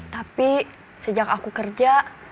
tapi sejak aku kerja